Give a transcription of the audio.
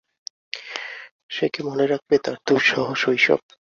সে কি মনে রাখবে তার দুঃসহ শৈশব?